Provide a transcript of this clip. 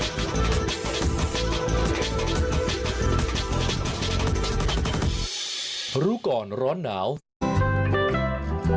สวัสดีค่ะคุณผู้ชมรู้ก่อนร้อนหนาวกับดาวซูเปอร์สดามมาแล้วค่ะ